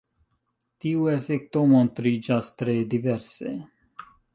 Tiu efekto montriĝas tre diverse.